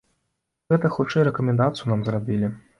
Гэта, хутчэй, рэкамендацыю нам зрабілі.